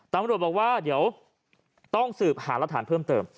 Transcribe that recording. ตำรวจบอกว่าเดี๋ยวต้องสืบหารักฐานเพิ่มเติม